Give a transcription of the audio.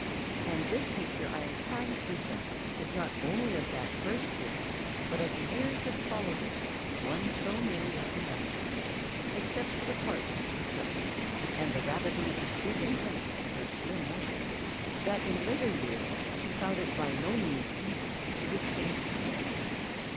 And this picture I am trying to present is not only of that first year, but of the years that followed it, one so nearly like another—except for the parts she took and the rapidly increasing length of her slim legs—that in later years she found it by no means easy to distinguish them.